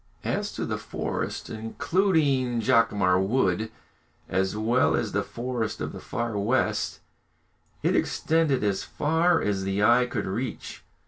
As to the forest, including Jacamar Wood, as well as the forests of the Far West, it extended as far as the eye could reach.